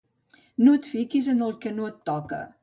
No et fiquis en el que no et toca.